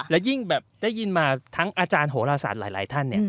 แล้วยิ่งแบบได้ยินมาทั้งอาจารย์โหลศาสตร์หลายท่าน